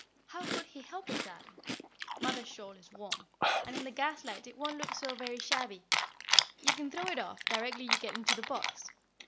How could he help it, darling? Mother's shawl is warm, and in the gaslight it won't look so very shabby you can throw it off, directly you get into the box.